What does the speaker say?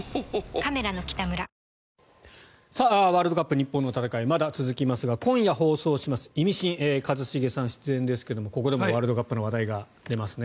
日本の戦いまだ続きますが今夜放送します「イミシン」一茂さん出演ですがここでもワールドカップの話題が出ますね。